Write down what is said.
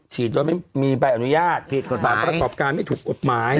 ฉีดว่ามีแปลอนุญาตผิดกฎหมายสำหรับประกอบการไม่ถูกกฎหมาย